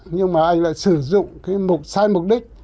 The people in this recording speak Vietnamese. nhưng mà anh lại sử dụng cái mục sai mục đích